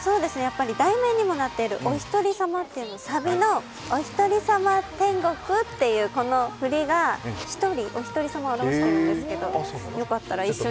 題名にもなっている「おひとりさま」っていうサビの「おひとりさま天国」というフリが、１人、おひとりさまを表しているんですけど、よかったら、一緒に。